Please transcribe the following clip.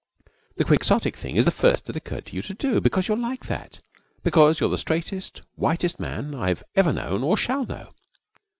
The quixotic thing is the first that it occurs to you to do, because you're like that, because you're the straightest, whitest man I've ever known or shall know.